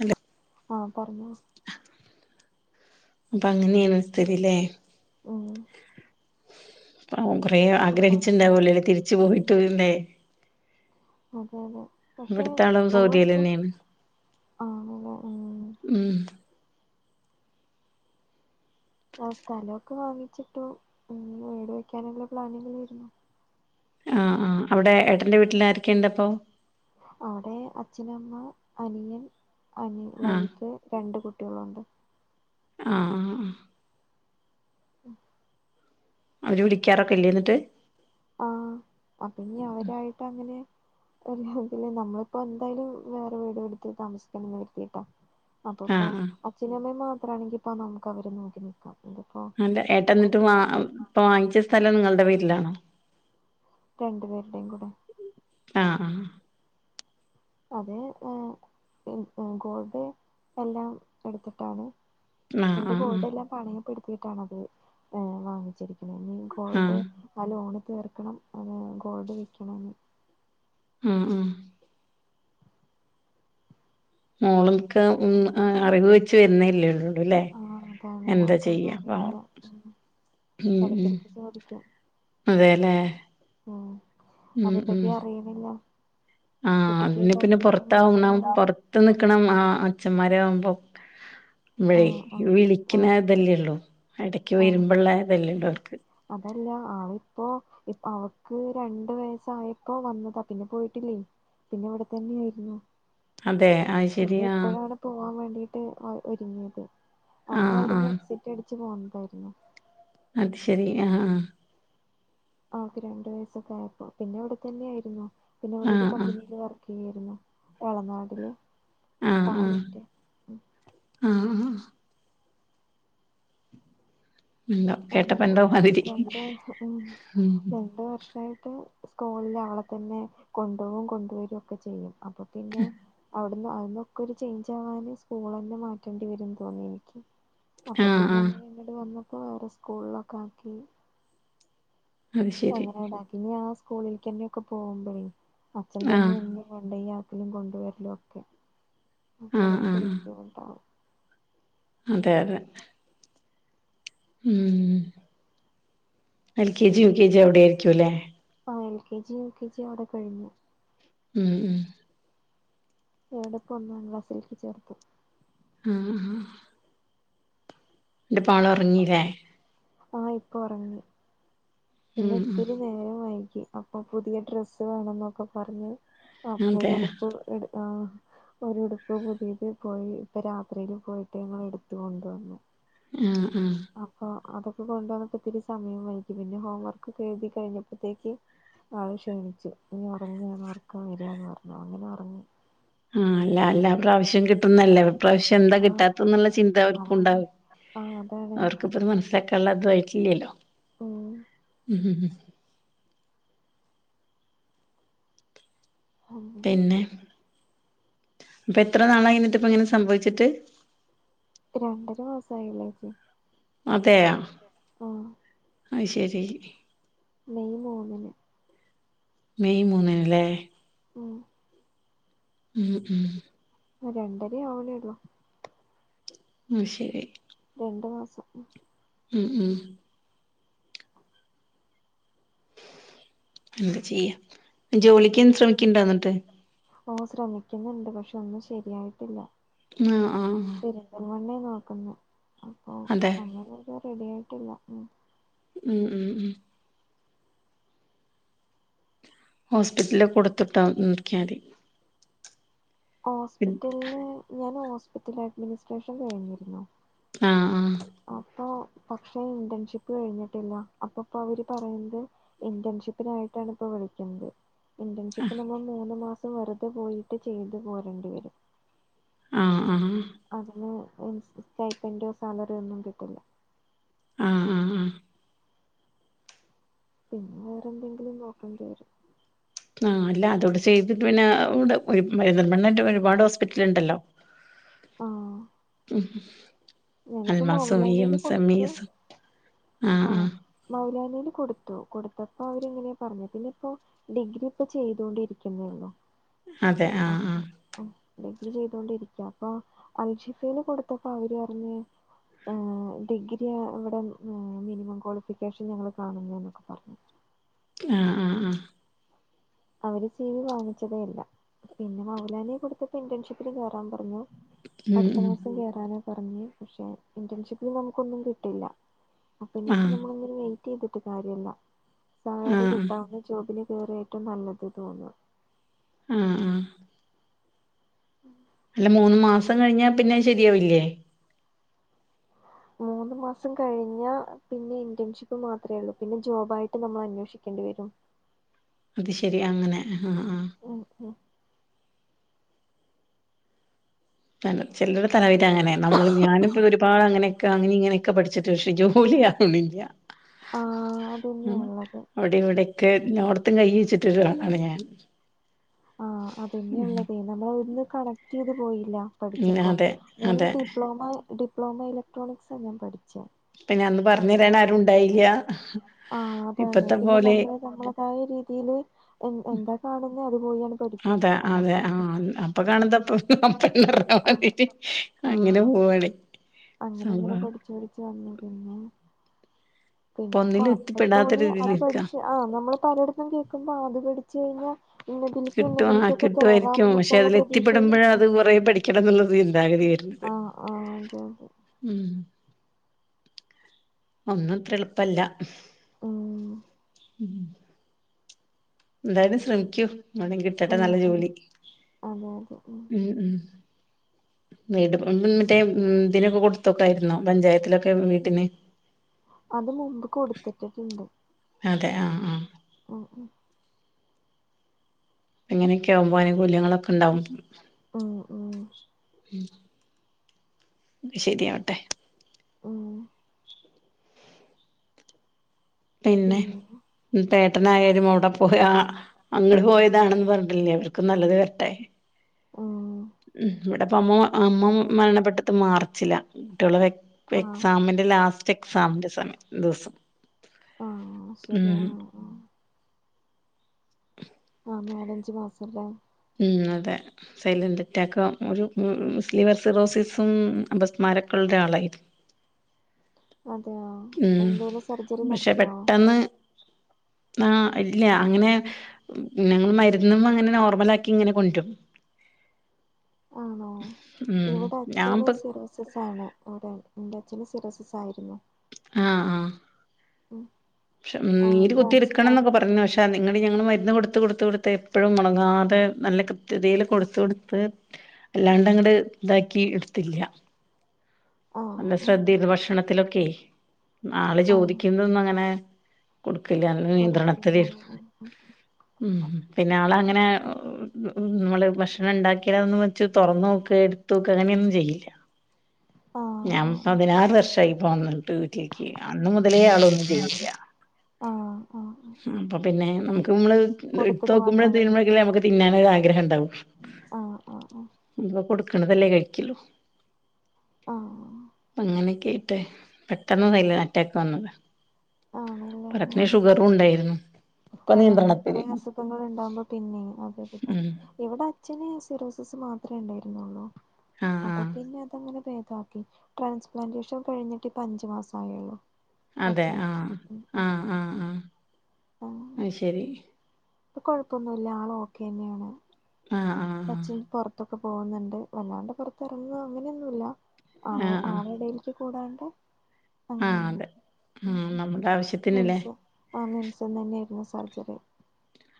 Hello ആഹ് പറഞ്ഞോ അപ്പം അങ്ങനെയാണ് സ്ഥിതില്ലേ ഓ പാവം കോറേ അപ്പ അങ്ങനെ ആഗ്രഹിച്ചിണ്ടാവല്ലോലെ തിരിച്ചു പോയിട്ട് വേണ്ടേ അതെ അതെ പക്ഷെ ഇവിടത്തെ ആളും നമ്മൾ സൗദിയിൽ ഒട്ടും തന്നെയാണ് ആ ആഹ് മ് ഉം ആ സ്ഥലമൊക്കെ വാങ്ങിച്ചിട്ടും വീട് വെക്കാനുള്ള പ്ലാനിങ്ങിലായിരുന്നു ആഹ് ആഹ് അവിടെ ഏട്ടന്റെ വീട്ടിൽ ആരൊക്കെണ്ട് അപ്പോ അവിടെ അച്ഛൻ അമ്മ അനിയൻ അനി ആഹ് വൈഫ് രണ്ട് കുട്ടികളുണ്ട് ആഹ് ആഹ് ഉം അവര് വിളിക്കാറൊക്കെ ഇല്ലേ എന്നിട്ട് ആഹ് പിന്നെ അവരായിട്ട് അങ്ങനെ അതില്ലേ നമ്മളിപ്പോ എന്തായാലും വേറെ വീട് എടുത്തി താമസിക്കണന്ന് കരുത്തീട്ടാ അപ്പ ആഹ് ഇപ്പോ ആഹ് അച്ഛനും അമ്മയും മാത്രമാണെങ്കി ഇപ്പ നമുക്ക് അവരെ നോക്കി നിക്കാ അല്ല ഏട്ടന്നിട്ട് വാ ഇപ്പൊ വാങ്ങിച്ച സ്ഥലം നിങ്ങൾടെ പേരിലാണോ രണ്ടു പേരുടെേയും കൂടെ ആഹ് ആഹ് അത് ഗോൾഡ് എല്ലാം എടുത്തിട്ടാണ് ആഹ് എന്റെ ആഹ് ഗോൾഡ് എല്ലാം പണയപ്പെടുത്തിയിട്ടാണ് അത് ഏ വാങ്ങിച്ചിരിക്കുന്നത് ഇനി ആഹ് ഗോൾഡ് ആഹ് ആ ലോണ് തീർക്കണം ആ ഗോൾഡ് വിക്കണം ഉം ഉം മോളൊക്കെ അറിവ് വെച്ച് വരുന്നേല്ലേള്ളൂ ആഹ് അതാണ് അവക്കൊന്നും പാവം അറിയില്ല ഉം ഉം എടക്കിടക്ക് ചോദിക്കും അതെല്ലേ ഉം ഉം അതേ ഉം പറ്റി അറിയുന്നില്ലോ ആഹ് അ പിന്നെ പുറത്താവണം പുറത്ത് നിക്കണം ആ അച്ഛന്മാരാ ആവകുമ്പോ മമ്മളേ ആഹ് ആഹ് വിളിക്കുന്ന ആഹ് ഇതല്ലേ ഉള്ളു ഇടക്ക് ആഹ് വരുമ്പോള്ള അതല്ലേ ഉണ്ടോ അവർക്ക് അതല്ല ആ ഇപ്പോ ഇപ്പ അവക്ക് രണ്ട വയസായപ്പോ വന്നതാ പിന്നെ പോയിട്ടില്ലേ പിന്നെ ഇവിടെ തന്നെ ആയിരുന്നു അതെ ആ പിന്നെ ഇപ്പോഴാണ് പോവാൻ വേണ്ടീട്ട് ഒരുങ്ങിയത് അന്ന് ആഹ് അവിടുന്ന് ആഹ് എക്സിറ്റ് അടിച്ച് പോന്നതായിരുന്നു അത് ശരി ആഹ് അവക്ക് രണ്ടു വയസൊക്ക ആയപ്പോ പിന്നെ ഇവിടെത്തന്നെ ആയിന്നു പിന്നെ ഇവിടെ ഒരു ആഹ് ആഹ് കമ്പനിൽ വർക്ക് ചെയ്യായിരുന്നു എളനാടിലെ ആഹ് ആഹ് പാലിന്റെ ഉം. ആഹ് ആഹ് ആഹ് എന്തോ കേട്ടപ്പ അങ്ങനെ എന്തോ മാതിരി രണ്ട് ഉം ഉം രണ്ട് വർഷമായിട്ട് സ്കൂളിൽ അവളെ തന്നെ കൊണ്ടുപോകും കൊണ്ടുവരിയും ഒക്കെ ചെയ്യും അപ്പൊ പിന്നെ വി അന്നൊക്കെ ഒരു ചേഞ്ച് ആവാന് സ്കൂൾ തന്നെ മാറ്റേണ്ടിവരുന്ന് തോന്നി എനിക്ക് അപ്പൊ ആഹ് പിന്നെ ആഹ് അങ്ങനെ എങ്ങോട്ട് വന്നപ്പോ വേറെ സ്കൂളിലൊക്കെ ആക്കി അത് ശരി അങ്ങനെടാക്ക ഇനി ആ സ്കൂളിലക്ക്ന്നെൊക്കെ പോകുമ്പോഴേ അച്ഛൻ തന്നെ ആഹ് എന്ത പോണ്ട എലും കൊണ്ടുവരലും ഒക്കെ ആഹ് ആഹ് പുറക്കൊരു ആഹ് ബുദ്ധിമുണ്ടാാവും അതെ അതെ ഉം L K G U K G അവിടെ ആയിരിക്കും അല്ലേ ആഹ് L K G U K G അവിടെ കഴിഞ്ഞു ഉം ഉം എവിടപ്പ ഒന്നാം ക്ലാസിലേക്ക് ചേർത്തു ആഹ് എന്റെ പാള് ഉറങ്ങില്ലേ പാള് ഇപ്പൊ ഉറങ്ങി പിന്നെ ഉം ഒത്തിരി ഉം നേരെ വൈകി അപ്പൊ പുതിയ ഡ്രസ്സ് വേണം എന്നൊക്കെ പറഞ്ഞ് അതെ അപ്പരു ഉടുപ്പ് എ ആഹ് ഒരുടുപ്പ് പുതിയത് പോയി ഇപ്പ രാത്രില് പോയിട്ട് ഞങ്ങൾ എടുത്ത് കൊണ്ടുവന്നു ആഹ് ആഹ് അപ്പൊ അതൊക്കെ കൊണ്ടുവന്നപ്പോ ഒത്തിരി സമയംമായിരിക്കും പിന്നെ ഹോം വർക്കൊക്കെ എഴുതി കഴിഞ്ഞപ്പോഴത്തേക്ക് ആള് ക്ഷീണിച്ചു ഇനി ഒറങ്ങാണ് ഒറക്കം വരാന്ന് പറഞ്ഞു അങ്ങനെ ഒറങ്ങി ആഹ് അല്ല അല്ലാ പ്രാവശ്യം കിട്ടുന്നല്ലേ ഇപ്രാവശ്യം കന്താ ആഹ് കിട്ടാത്തന്നുള്ള ചിന്ത അതാണ് അവർക്കുണ്ടാവും ആഹ് അതാണ് അവർക്കിപ്പത് മനസ്സിലാക്ക കള്ളോ [unintelligible] ഓഹ് ഉം ഉം അന്തനിക്കെ പ്പൊ എത്ര നാളായി ന്ന്ട്ട്പ്പങ്ങനെ സംഭവിച്ചിട്ട് രണ്ടര മാസ ആയില്ല ച്ചി അതെയ ആഹ് ആഹ് ശരി മെയ് മൂന്നിന് മെയ് മൂന്നിന് ലേ ഉം ഉം ഉം രണ്ടര ആവ്ണള്ളോ ഉം ശരി രണ്ട് മാസം ഉം ഉം എന്താ ചെയ്യ ജോലിക്കും ശ്രമിക്ക്ണ്ടന്നിട്ട് ഓഹ് ശ്രമിക്കുന്നുണ്ട് പക്ഷെ ഒന്നും ശരിയായിട്ടില്ല ആഹ് ആഹ് പെരുന്തൽമണ്ണേ നോക്കുന്നെ അപ്പൊ അതെ [unintelligible] റെഡി ആയിട്ടില്ല ഉം ഉം ഉം ഹോസ്പിറ്റലിൽ കൊടുത്തിട്ടാ [unintelligible] ക്കാൽ മതി ഹോസ്പിറ്റലില് ഞാൻ ഹോസ്പിറ്റൽ അഡ്മിനിസ്ട്രേഷൻ കഴിഞ്ഞിരുന്നു ആഹ് ആഹ് അപ്പൊ പക്ഷെ ഇന്റേൺഷിപ്പ് കഴിഞ്ഞിട്ടില്ല അപ്പൊപ്പ അവര് പറയുമ്പോ ഇന്റേൺഷിപ്പിനായിട്ടാണ് ഇപ്പൊ വിളിക്കുന്നത് ഇന്റേൺഷിപ്പ് നമ്മൾ മൂന്ന് മാസം വെറുതെ പോയിട്ട് ചെയ്തു പോരേണ്ടി വരും ആഹ് ആഹ് അതിന് [unintelligible] സ്റ്റയ്പ്പൻ്റൊ സാലറി ഒന്നും കിട്ടില്ല ആഹ് ആഹ് ആഹ് പിന്നെ വേറെ എന്തെങ്കിലും നോക്കേണ്ടി വരും ആഹ് അല്ല അതൂടെ ചെയ്തിട്ട് പിന്നെ അവ്ടെ പോയി പെരിന്തൽമണ്ണറ്റം ഒരുപാട് ഹോ സ്പിറ്റല്ണ്ടല്ലോ ആഹ് ഞാനിപ്പോ അൽമാസമിയും മൗലാനീല് കൊടുത്തു സമീസും ആഹ് ആഹ് മൗലാനീല് കൊടുത്തു കൊടുത്തപ്പോ അവര്ങ്ങനെയാ പറഞ്ഞെ പിന്നെ ഇപ്പോ ഡിഗ്രി ഇപ്പൊ ചെയ്‌തോണ്ടിരിക്കുന്നുള്ളൂ അതെ ആഹ് അപ്പൊ ആഹ് ഉം അല്ലെങ്കിൽ ചെയ്തോണ്ടിരിക്കാ അപ്പൊ അൽഷിഫേന് കൊടുത്തപ്പോ അവര് പർഞ്ഞേ ഏഹ് ഡിഗ്രിയ ഇവിടെ മിനിമം ക്വാളിഫിക്കേഷൻ ഞങ്ങള് കാണുന്നുന്നൊക്കെ പറഞ്ഞു ആഹ് ആഹ് ആഹ് അവര് സീവി വാങ്ങിച്ചതേ ഇല്ല പിന്നെ മൗലാനി കൊടുത്തപ്പോ ഇന്റേൺഷിപ്പില് കേറാൻ പറഞ്ഞു ഉം അട്ത്ത ഉം മാസം കേറാനാ പറഞ്ഞ് പക്ഷെ ഇന്റൺഷിപ്പില് നമുക്കൊന്നും കിട്ടില്ല അപ്പൊ ഇനിയിപ്പ ആഹ് ഞമ്മള്ങ്ങനെ വെെറ്റീത്ട്ട് കാര്യല്ല സാലറി ആഹ് കിട്ടാവുന്ന ജോബില് കേറി റ്റവും നല്ലത് തോന്നാ ആഹ് ആഹ് ഉം ഇല്ല മൂന്ന് മാസം കഴിഞ്ഞാ പിന്നെ ശരിയാവില്ലേ മൂന്ന് മാസം കഴിഞ്ഞാ പിന്നെ ഇന്റൺഷിപ്പ് മാത്രേ ഒള്ളൂ പിന്നെ ജോബ് ആയിട്ട് നമ്മൾ അന്വേഷിക്കേണ്ടിവെരും അത് ശെരി അങ്ങനെ ഇഹ് ഹ ആഹ് ഓ ഓ താണ്ടം ചില്ലറ സഹായായ്റ്റ് അങ്ങനെ നമ്മള് ഞാനും ഇപ്പൊ ഒരുപാട് അങ്ങനെക്കെ അങ്ങനിം ഇങ്ങനെയെക്കെ പഠിച് ചിട്ട് പക്ഷെ ജോലി ആവണ്ല്യ ആഹ് അതന്നെയാ ഉം ഉള്ളത് [unintelligible] ലിവ്ടെക്കെ നോട്ത്തും കയ്യുയ്ചിട്ട്ട്ട് വാണാണ് ഞാൻ ആഹ് അതെന്നെള്ളതേ നമ്മള് ഒന്നുംകണക്ടീത് പോയില്ല ഉം പഠിച്ചപ്പോ അതെ മൂന്നിൽ അതെ ഡിപ്ലോമ ഡിപ്ലോമ ഇലക്ട്രോണിക്സാ ഞാൻ പഠിച്ചേ പിന്നെ അന്ന് അപ്പൊ പർഞ്ഞരാനും ആരും ഉണ്ടായില്യ ഇഹ് ഇപ്പത്തെ പോലെ പായൊരീതിയിയില് ഒൻ ഒന്താ കാണ്ന്നേ അത് പോലെയാണ് പഠിക്കും അങ്ങ് ഒച്ചിം അനക്കും ഉം ഇപ്പ കാണ്ന്നതാ പ്രശ്നം [unintelligible] അങ്ങനെ ആഹ് പോവാണേ അങ്ങനെ അങ്ങനെ പഠിച്ചു പഠിച്ചു വന്നു പിന്നെ ഇപ്പൊ പിന്നെപ്പൊ ഒന്നിലും എത്തിപ്പെടാത്ത അപ്പത്തോന്നി അത് രീതിയിലിരിക്കാ പഠിച്ച് ആഹ് നമ്മള് പലയിടത്തും കേക്കുമ്പോ അത് പഠിച്ച് കഴിഞ്ഞാ പിന്നെ പിന്നെ കിട്ടും ആ ഇക്ക്തോന്നാഇതിൽകൊക്കെ കേറാം കിട്ടുമായിരിക്കും എന്നൊക്കെയുള്ള പ്രതീക്ഷയില് [unintelligible] ചില ചില ചിന്താഗതി വെര്നത് ആ ആ അതെ അതെ ഉം ഒന്നും ഇത്ര എള്പ്പല്ല ഉം ഉം ഉം എന്തായാലും ശ്രമിക്കൂ ഇന്നാലും കിട്ടട്ടെ ഉം നല്ല ഉം ജോലി അതെ അതെ ഉം ഉം വീട് പണ് മറ്റേ ഉം ഇതിനൊക്കെ കൊടുത്തോക്കായ്രുന്നോ പഞ്ചായത്തിലൊക്കെ വീട്ടിന് [unintelligible] അത് മുമ്പ് കൊട്ത്ത്ട്ട്ണ്ട് അതെ ആഹ് ആഹ് ആഹ് ഉം അങ്ങനെയെക്ക ആവുമ്പൊ അനുകൂല്യങ്ങളൊക്കെ ഇണ്ടവും ഉം ഉം ഉം ശെരിയാവട്ടെ ഉം പിന്നെ ഇഞ്ഞ്പ്പ ഏട്ടനായാലും മൊ അവ്ടെ പോയാ അങ്ങട് പോയതാണെന്ന് പറഞ്ഞ്ട്ല്യ അവർക്കും നല്ലത് വെര്ട്ടെ ഉം ഉം ഇവടെപ്പാെ അമ്മ അമ്മ മ അതെ അതെ മരണപ്പെട്ടത് മാർച്ചിലാ കുട്ടിയോള് വെക് ഇപ്പ ആ എക്സാമിന്റെ ലാസ്റ്റ് എക്സാമിന്റെ സമയം ദിവസം ആഹ് ഉം ശെരിയാണ് ആഹ് ആഹ് നാലഞ്ച് മാസംലെ ഉം അതെ സൈലൻറ് അറ്റാക്കാ മൊരു മ് മുസ്ലീവർസിറോസിസും ഉം അപസ്മാരൊക്കൾ രാളായിരുന്നു അതെയോ ഉം എന്തേലും സർജറി ബക്ഷെ നടത്തിയോ പെട്ടെന്ന് നാ ഇല്യ അങ്ങനെ ഞങ്ങള് മര്ന്ന്മ്മെ ഇങ്ങനെ നോർമലാക്കി ഇങ്ങനെ കൊൻടും ആണോ ഇവ്ടെ അച്ഛന് സിറോസിസ് ആണ് അതെ ഇൻ്റഅച്ഛന് സിറാേസിസ് ആയിരുന്നു ആഹ് ആഹ് ഉം പക്ഷെ ഉം ആ നീര് കുത്തിയെടുക്കണം എന്ന്ക്ക പറഞ്ഞ ട്രാൻസ്പ്ലാന്റേഷൻ പക്ഷേ ട്ട നിങ്ങള് ഞങ്ങള് മരുന്ന് കൊട്ത്ത് കൊടുത്ത് കൊടുത്ത് എപ്പഴും മുടങ്ങാതെ നല്ല കൃത്യതയിൽ കൊടുത്ത് കൊടുത്ത് ല്ലാണ്ട് അങ്ങട് ഇതാക്കി ഇട്ത്തില്ല ആ അല്ല ആ ശ്രദ്ധന്ന് ഭക്ഷണത്തിലൊക്കെ ആള് ആ ചോദിക്കുന്നൊന്നങ്ങനെ കൊടുക്കില്ല [unintelligible] നിയന്ത്രണത്തില് കൊടുക്കില്ലല്ലേ ഉം പിന്നെ ആള് അങ്ങനെ നമ്മള് ഭക്ഷണം ഇണ്ടാക്കിലാന്നൊന്നും പർ ച്ച് തൊറന്നോക്കേ ഇട്ത്തോക്കേ അങ്ങനെയൊന്നും ചെയ്യില്ല ആ ഞാൻ ആ പതിനാറ് വർഷായിപ്പോ വന്നിട്ട് വീട്ടിലേക്ക് അന്ന് മുതലേ ആളൊന്നും ചെയ്യില്ല ആ ആ അപ്പൊ പിന്നെ നമുക്ക് നമ്മള് ഇട്ത്ത് കൊടുത്തത് മാത്രം നോക്കുമ്പോഴും കഴിക്കും തിരുമ്പോഴേക്കല്ലേ നമുക്ക് തിന്നാനൊരാഗ്രഹം ഇണ്ടാവു ആ ആ ആ ഇപ്പോ കൊട്ക്ക്ണതല്ലേ കഴിക്കല് ആഹ് പ്പ അങ്ങനെയൊക്കായിട്ട് പെട്ടെന്ന് സയില ആറ്റാക് വന്നതാ പിന്നെ ഷുഗറും ഇണ്ടായിരുന്നു ആഹ് അല്ലേ ഇത്രേ അസുഖങ്ങൾ ഇണ്ടാവുമ്പോ പിന്നെ അതൊരുതാ ഉം ഇവിടെ അച്ഛന് സിറോസിസ് മാത്രേ ഇണ്ടായിരുന്നൊള്ളൂ ആഹ് അപ്പൊ ആഹ് പിന്നെ അതങ്ങനെ ഭേദമാക്കി ട്രാൻസ്പ്ലാന്റേഷൻ കഴിഞ്ഞിട്ട് ഇപ്പൊ അഞ്ച് മാസായൊള്ളു അതെ ആഹ് ആഹ് ആഹ് ആഹ് അയ്ശരി പ്പ കൊഴപ്പൊന്നുല്ല ആള് ഓക്കെന്നെയാണ് ആഹ് ആഹ് പ്പ അച്ഛൻ ആഹ് പൊറത്തൊക്കെ പോകുന്നുണ്ട് വല്ലാണ്ട് പൊറത്ത് എറങ്ങൊ അങ്ങനെയൊന്നുല്ല ആ ആളെടേക്ക് കൂടാണ്ട് ആഹ് ആഹ് അങ്ങനെ ആഹ് അങ്ങനെ അതെ ഉം ആഹ് ഉം നമ്മുടെ ആവശ്യത്തിനില്ലേ മിംസ് ആ മിംസം തന്നെയായിയിരുന്നു സർജറി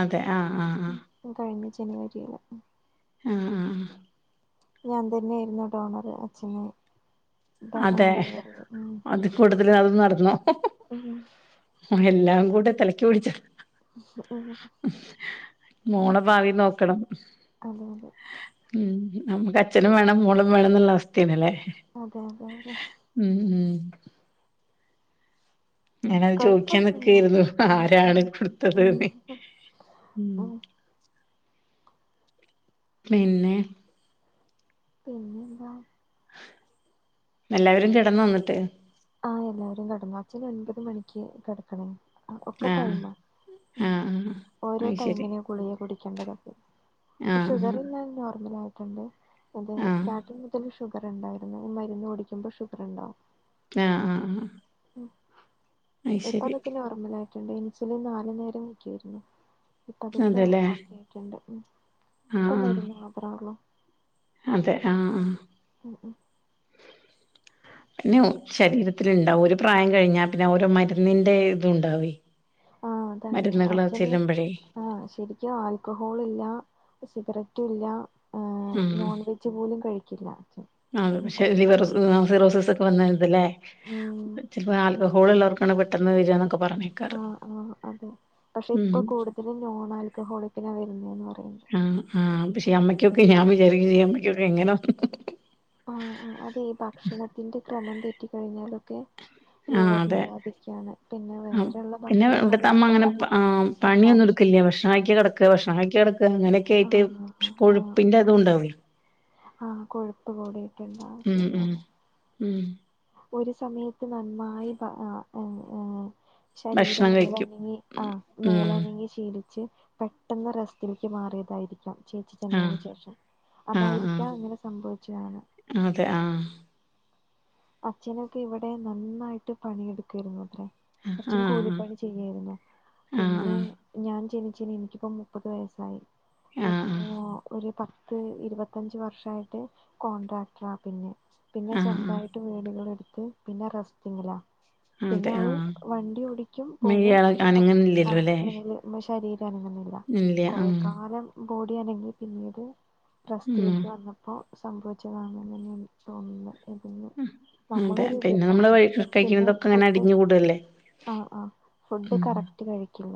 അതെ ആഹ് ആഹ് ഉം ആഹ് ഈ കഴിഞ്ഞ ജനുവരിയില് ആഹ് ആഹ് ഞാൻ തന്നെ ആയിരുന്നു ഡോണർ അച്ഛന് ഡോ അതെ ലിവർ ഉം അത് കൂടുതൽ അത് നടന്നു ഉം എല്ലാം കൂടെ തലക്ക് പിടിച്ച ഉം മോളെ ഭാവി നോക്കണം അതെ അതെ ഉം നമ്മക്ക് അച്ഛനും വേണം മോളും വേണോന്നുള്ള അവസ്ഥയാണ്ല്ലേ അതെ അതെ അതെ ഉം ഉം ഞാന അത് ചോയിക്കാൻ കൊഴപ്പൊന്നുല്ല നിക്കേരുന്നു ഉം ഉം ആരാണ് കൊടുത്തത് ഉം ന്ന് ഉം പിന്നെ പിന്നെന്താ എല്ലാവരും കിടന്നോ എന്നിട്ട് ആഹ് എല്ലാവരും കെടന്നു അച്ഛന് ഒൻപത് മണിക്ക് കെട്ക്കണേ. ആ ഒക്കെ ആഹ് ടൈമാ ഉം ആഹ് ആഹ് ഓരോ അത് ശരി ടൈമിന് ഗുളിക കുടിക്കേണ്ടതുണ്ട് ഇപ്പൊ ആഹ് ഷുഗറെല്ലാം നോർമൽ ആയിട്ടുണ്ട് അതെ ആഹ് സ്റ്റാർട്ടിങ്ങിൽ തന്നെ ഷുഗർ ഇണ്ടായിരുന്നു മരുന്ന് കുടിക്കുമ്പോൾ ഷുഗറ്ണ്ടാവും ആഹ് ആഹ് ആഹ് ഉം അത് ഇപ്പ ശരി അതൊക്കെ നോർമൽ ആയിട്ടുണ്ട് ഇൻസുലിൻ നാല്നേരം വെക്കുവായിരുന്നു ഇപ്പം അതൊക്കെ അതെല്ലേ ഓക്കെ ആയിട്ടുണ്ട് ഇപ്പൊ ആഹ് മരുന്ന് മാത്രെ ഒള്ളു അതെ ആഹ് ആഹ് ഉം ഉം പിന്നെ ശരീരത്തില്ണ്ടാവു ഒരു പ്രായം കഴിഞ്ഞാ പിന്നെ ഓരോ മരുന്നിന്റെ ഇതുണ്ടാവേ ആഹ് അതാണ് അഛന് ആഹ് ശരിക്കും ആൽക്കഹോളില്ല സിഗരറ്റുല്ലഏഹ് നോൺവെ ജ് പോലും കഴിക്കില്ല അച്ഛൻ ആഹ് പക്ഷെ എന്നിട്ടായിരുന്നു ലിവർ വന്നത് സ് സിറോസിസ് ഒക്കെ വന്നത് ല്ലേ ഉം ചെൽപ്പം ആൽക്കഹോൾ ഉള്ളോർക്കാണ് പെട്ടെന്ന് വെര എന്നൊക്കെ പറഞ്ഞ് [unintelligible] ആഹ് ആഹ് അതെ പക്ഷെ ഇപ്പൊ കൂടുതലും നോൺ ആൽക്കഹോളിക്കിനാ വരുന്നേന്ന് പറയുന്നു ആഹ് ആഹ് പക്ഷേ അമ്മക്കൊക്കെ ഞാൻ വിചാരിക്കും ഈ അമ്മക്കൊക്കെ എങ്ങനെ ആഹ് ആഹ് അത് ഭക്ഷണത്തിന്റെ ക്രമം തെറ്റിക്കഴിഞ്ഞാലൊക്കെ ആഹ് ലിവറിനെ അതെ ബാധിക്കാണ് പിന്നെ ആഹ് വേറെ ഉള്ള പിന്നെ ഇവിടുത്തെ ഭക്ഷണങ്ങള്ലും അമ്മ അങ്ങനെ ഉണ്ടാവല്ലോ ആഹ് പണിയൊന്നും വിഷാംശം ഇട്ക്കൽല്ല ഭക്ഷണം കഴിക്ക കെടക്ക ഭക്ഷണം കഴിക്ക കെടക്ക അങ്ങനെ ക്കേയിട്ട് ആഹ് ആഹ് ആഹ് കൊഴുപ്പിന്റെ ആഹ് അതും ഉണ്ടാവില്ലെ ആഹ് കൊഴുപ്പ് കൂടിയിട്ടുണ്ടാവും ഉം ഉം ശരിയാണ് ഉം ഒരു സമയത്ത് നന്നായി ബ ആഹ് ആഹ് ആഹ് ശരീരം ഭക്ഷണം കഴിക്കും മേലനങ്ങി ഉം ആഹ് ഉം മേലനങ്ങി ശീലിച്ച് പെട്ടെന്ന് റെസ്റ്റിൽക്ക് മാറിയതായിരിക്കാം ചേച്ചി ആഹ് ചെന്നതിന് ശേഷം ആഹ് അതായിരിക്കാം ഇങ്ങനെ സംഭവച്ച് കാണ ആഹ് അതെ ആഹ് അച്ഛനൊക്കെ ഇവിടെ നന്നായിട്ട് പണിയെടുത്തിരുന്നുവത്രേ അച്ഛൻ ആഹ് ആഹ് കൂലിപ്പണി ചെയ്യായിരുന്നു ആഹ് ആഹ് പിന്നെ ഞാൻ ജനിച്ച് ഇനിക്കിപ്പോ മുപ്പത് വയസ്സായി ആഹ് ഇപ്പൊ ഒരു പ ത്ത് ഇരുപത്തഞ്ച് വർഷായിട്ട് കോൺട്രാക്ടറാ പിന്നെ പിന്നെ ആഹ് സ്വന്തായി വീടുകള്ട്ത്ത് പിന്നെ റസ്റ്റിങ്ങ്ലേ. ആഹ് പിന്നെ അതെ ആള് ആഹ് വണ്ടി ഓടിക്കും പോകും ഇയാള് പക്ഷെ പ അനങ്ങുന്നില്ലല്ലോ ആഹ് അല്ലേ മൈല്.. നമ്മെ ശരീരം അനങ്ങുന്നില്ല. ഇല്ല കൊറെ ആഹ് കാലം ബോഡിയനങ്ങി പിന്നീട് ഉം റസ്റ്റിലേക്ക് വന്നപ്പോ സംഭവിച്ചതാണെന്ന് തന്നെ എനിക്ക് തോന്നുന്നത് ഇതിന്നു അതെ നമ്മളെരുത് പിന്നെ ട്ടോ നമ്മള് കഴി- പിന്നെ കഴിക്കുന്നതൊക്കെ ഇങ്ങനെ ഫുഡ് അടിഞ്ഞു കൂടല്ലേ ആഹ് ആഹ് ഫുഡ് കറക്റ്റ് കഴിക്കില്ല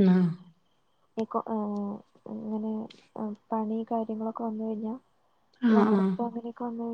ന്നാ ഇക്കൊ ഹ് ഇങ്ങനെ പണി കാര്യങ്ങളൊക്കെ വന്ന് കഴിഞ്ഞാ ആഹ് ആഹ് വാർപ്പ് അങ്ങനെയൊക്കെ വന്ന് കൈ